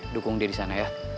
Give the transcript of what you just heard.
dukung dia disana ya